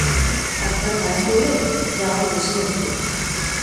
একবার মায়া পড়লে যাওন মুসিবন্ত!